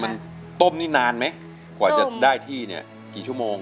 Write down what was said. มันต้มนี่นานไหมกว่าจะได้ที่เนี่ยกี่ชั่วโมง